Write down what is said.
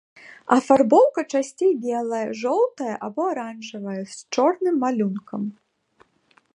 Афарбоўка часцей белая, жоўтая або аранжавая, з чорным малюнкам.